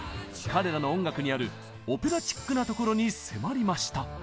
彼らの音楽にあるオペラチックなところに迫りました。